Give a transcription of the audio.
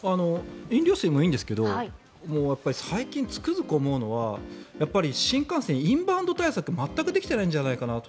飲料水もいいんですけど最近、つくづく思うのはやっぱり新幹線インバウンド対策全くできていないんじゃないかなと。